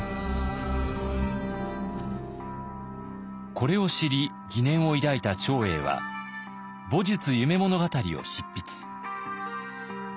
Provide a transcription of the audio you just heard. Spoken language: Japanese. これを知り疑念を抱いた長英は「戊戌夢物語」を執筆。